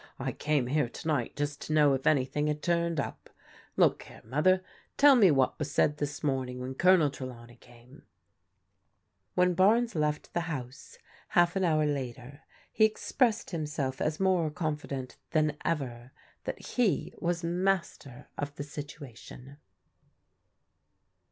I came here to night just to know if anything had turned up. Look here, Mother, tell me what was said this morning when Colonel Trelawney came." When Barnes left the house, half an hour later, he expressed himself as more confident than ever that he was master of the situation.